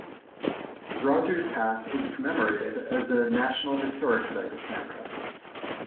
Rogers Pass is commemorated as a National Historic Site of Canada.